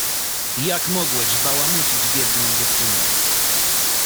"Jak mogłeś bałamucić biedną dziewczynę?...."